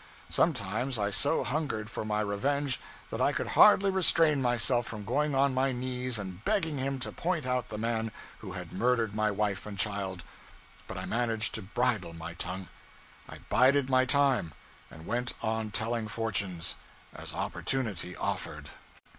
Sometimes I so hungered for my revenge that I could hardly restrain myself from going on my knees and begging him to point out the man who had murdered my wife and child; but I managed to bridle my tongue. I bided my time, and went on telling fortunes, as opportunity offered.